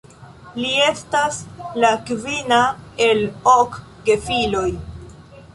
Li estas la kvina el ok gefiloj.